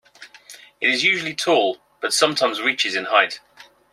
It is usually tall, but sometimes reaches in height.